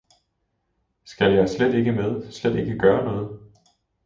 Skal jeg slet ikke med, slet ikke gøre noget!